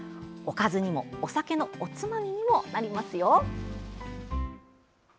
おかずにもお酒のおつまみにもなりますよ！